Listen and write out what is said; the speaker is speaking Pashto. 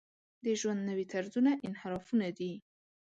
د ژوند نوي طرزونه انحرافونه دي.